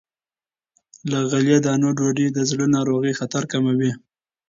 له غلې- دانو ډوډۍ د زړه ناروغۍ خطر کموي.